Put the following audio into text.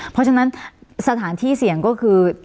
เพราะฉะนั้นสถานที่เสี่ยงก็คือ